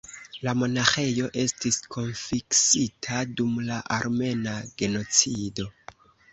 La monaĥejo estis konfiskita dum la Armena genocido.